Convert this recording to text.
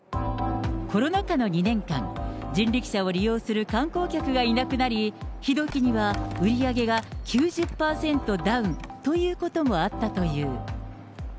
コロナ禍の２年間、人力車を利用する観光客がいなくなり、ひどいときには、売り上げが９０％ダウンということもあったという。